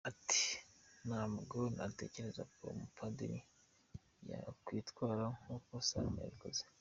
Ati “Ntabwo natekereza ko umupadiri yakwitwara nk’uko Seromba yabikoze.